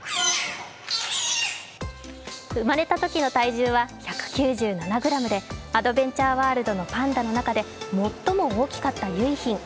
生まれたときの体重は１９７ｇでアドベンチャーワールドのパンダの中で最も大きかった結浜。